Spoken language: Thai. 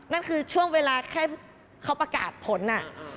นั่นคือช่วงเวลาแค่เขาประกาศผล